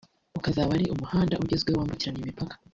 ukazaba ari umuhanda ugezweho wambukiranya imipaka